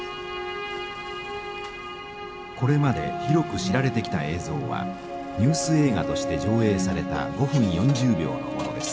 これまで広く知られてきた映像はニュース映画として上映された５分４０秒のものです。